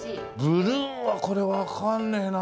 ブルーはこれわかんねえな。